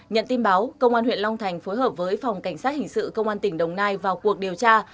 nhận tin báo công an huyện long thành phối hợp với phòng cảnh sát hình sự công an tỉnh đồng nai vào cuộc điều tra